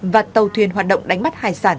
và tàu thuyền hoạt động đánh bắt hải sản